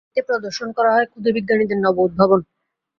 এতে প্রদর্শন করা হয় ক্ষুদে বিজ্ঞানীদের নব উদ্ভাবন।